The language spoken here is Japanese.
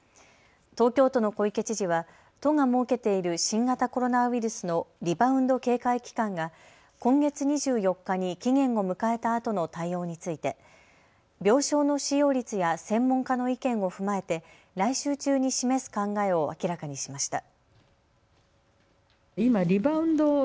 東京都の小池知事は都が設けている新型コロナウイルスのリバウンド警戒期間が今月２４日に期限を迎えたあとの対応について病床の使用率や専門家の意見を踏まえて来週中に示す考えを明らかにしました。